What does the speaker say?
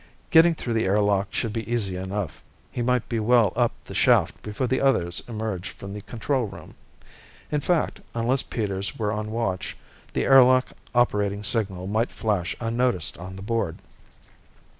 Getting through the airlock should be easy enough. He might be well up the shaft before the others emerged from the control room. In fact, unless Peters were on watch, the air lock operating signal might flash unnoticed on the board.